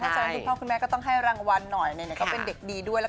คุณพ่อคุณแม่ให้รางวัลหน่อยบิ๊เป็นเด็กดีด้วย